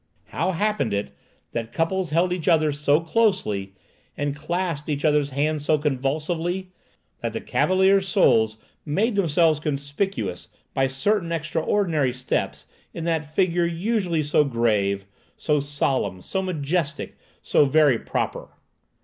How happened it that the couples held each other so closely, and clasped each other's hands so convulsively, that the "cavaliers seuls" made themselves conspicuous by certain extraordinary steps in that figure usually so grave, so solemn, so majestic, so very proper?